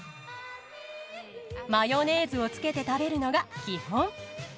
マヨネーズをつけて食べるのが基本。